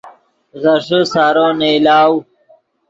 غیݰے سارو نئیلاؤ